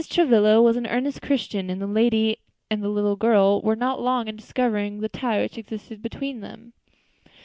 Travilla was an earnest Christian, and the lady and the little girl were not long in discovering the tie which existed between them.